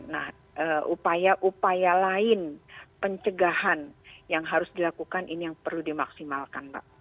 nah upaya upaya lain pencegahan yang harus dilakukan ini yang perlu dimaksimalkan mbak